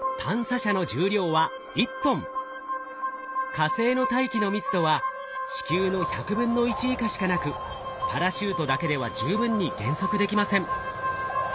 火星の大気の密度は地球の１００分の１以下しかなくパラシュートだけでは十分に減速できません。